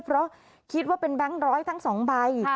เพราะคิดว่าเป็นแบงค์ร้อยทั้ง๒ใบ